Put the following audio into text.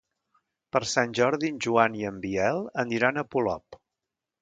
Per Sant Jordi en Joan i en Biel aniran a Polop.